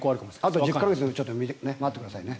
あと１０か月待ってくださいね。